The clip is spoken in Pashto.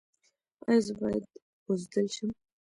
ایا زه باید بزدل شم؟